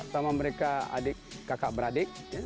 sama mereka adik kakak beradik